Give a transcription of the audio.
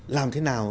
làm thế nào